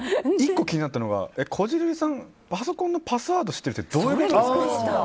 １個気になったのがこじるりさん、パソコンのパスワード知ってるってどういうことですか？